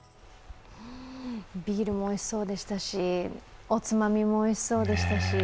ビールもおいしそうでしたし、おつまみもおいしそうでしたし。